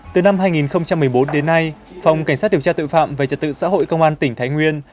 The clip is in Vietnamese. từ năm hai nghìn một mươi bốn đến nay phòng cảnh sát điều tra tội phạm về trật tự xã hội công an tỉnh thái nguyên